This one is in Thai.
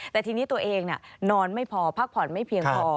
แต่ทีนี้ตัวเองนอนไม่พอพักผ่อนไม่เพียงพอ